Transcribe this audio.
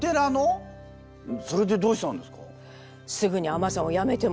それでどうしたんですか？